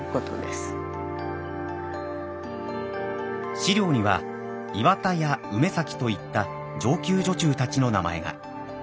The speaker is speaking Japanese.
史料には岩田や梅崎といった上級女中たちの名前が。